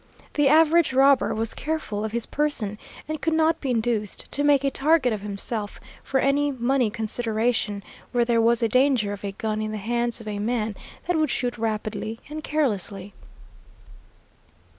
The average robber was careful of his person, and could not be induced to make a target of himself for any money consideration, where there was danger of a gun in the hands of a man that would shoot rapidly and carelessly.